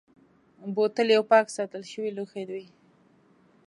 بوتل یو پاک ساتل شوی لوښی وي.